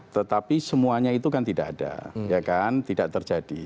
tetapi semuanya itu kan tidak ada tidak terjadi